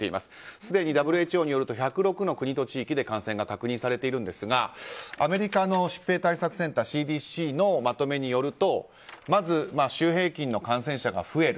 すでにＷＨＯによると１０６の国と地域で感染が確認されているんですがアメリカの疾病対策センターＣＤＣのまとめによるとまず週平均の感染者が増える。